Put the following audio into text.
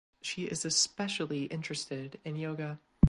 She is especially interested in yoga.